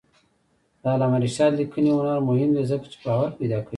د علامه رشاد لیکنی هنر مهم دی ځکه چې باور پیدا کوي.